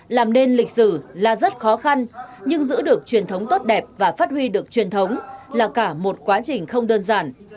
làm nên lịch sử là rất khó khăn nhưng giữ được truyền thống tốt đẹp và phát huy được truyền thống là cả một quá trình không đơn giản